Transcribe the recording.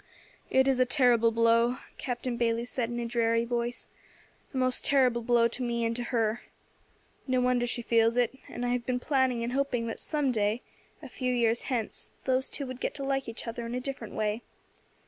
"It is a terrible blow," Captain Bayley said, in a dreary voice, "a most terrible blow to me and to her. No wonder she feels it; and I have been planning and hoping that some day, a few years hence, those two would get to like each other in a different way.